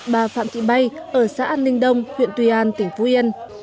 bà phạm thị bay ở xã an ninh đông huyện tuy an tỉnh phú yên